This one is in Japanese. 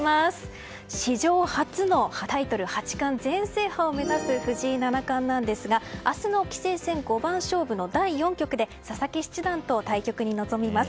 史上初のタイトル八冠全制覇を目指す藤井七冠なんですが明日の棋聖戦五番勝負の第４局で佐々木七段と対局に臨みます。